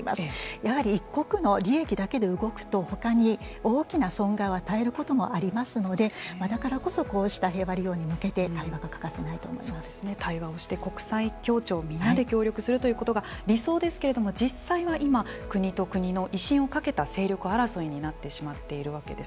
やはり一国の利益だけで動くと他に大きな損害を与えることもありますのでだからこそこうした平和利用に向けて対話をして国際協調みんなで協力をするということが理想ですけれども実際は今国と国の威信を懸けた勢力争いになってしまっているわけです。